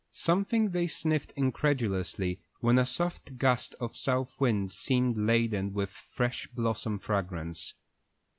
Sometimes they sniffed incredulously when a soft gust of south wind seemed laden with fresh blossom fragrance.